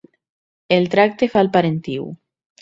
El tracte fa el parentiu.